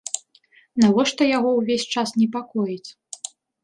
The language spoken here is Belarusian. Навошта яго ўвесь час непакоіць?